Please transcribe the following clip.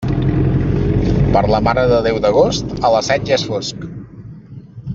Per la Mare de Déu d'agost, a les set ja és fosc.